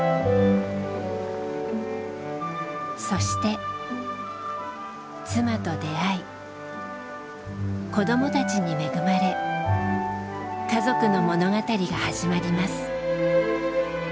そして妻と出会い子どもたちに恵まれ家族の物語が始まります。